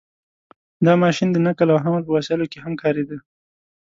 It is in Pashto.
• دا ماشین د نقل او حمل په وسایلو کې هم کارېده.